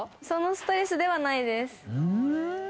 そのストレスではないです。